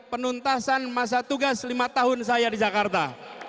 penuntasan masa tugas lima tahun saya di jakarta